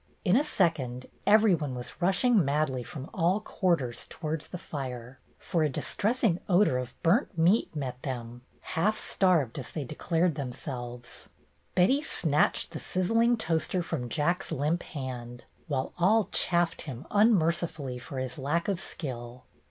In a second every one was rushing madly from all quarters towards the fire, for a distressing odor of burnt meat met them, half starved as they declared themselves. THE PICNIC 41 Betty snatched the sizzling toaster from Jack's limp hand, while all chaffed him unmercifully for his lack of skill.